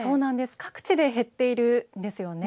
各地で減っているんですよね。